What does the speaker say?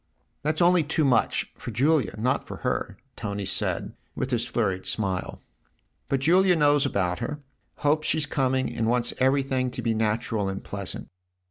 "That's only too much for Julia not for her" Tony said with his flurried smile. " But Julia knows about her, hopes she's coming and wants everything to be natural and pleasant."